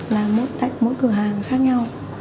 là mỗi cửa hàng khác nhau